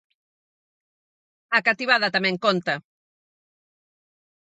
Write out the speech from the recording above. A cativada tamén conta.